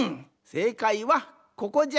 せいかいはここじゃ！